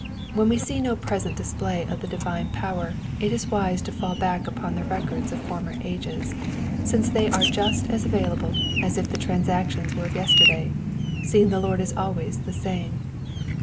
When we see no present display of the divine power it is wise to fall back upon the records of former ages, since they are just as available as if the transactions were of yesterday, seeing the Lord is always the same.